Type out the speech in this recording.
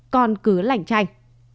con cứ lành tranh